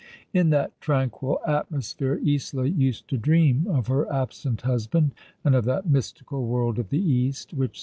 In that tranquil atmosphere Isola used to dream of her absent husband and of that mystical world of the East which seem.